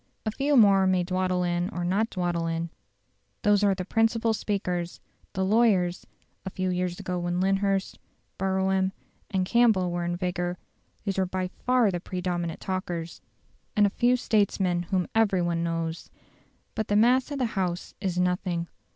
A few more may dawdle in or not dawdle in: those are the principal speakers, the lawyers (a few years ago when Lyndhurst, Brougham, and Campbell were in vigour, they were by far the predominant talkers) and a few statesmen whom every one knows. But the mass of the House is nothing.